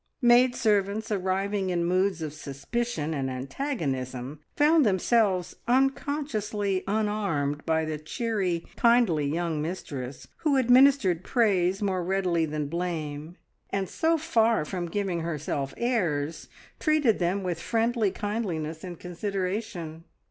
Maidservants arriving in moods of suspicion and antagonism found themselves unconsciously unarmed by the cheery, kindly young mistress, who administered praise more readily than blame, and so far from "giving herself airs" treated them with friendly kindliness and consideration.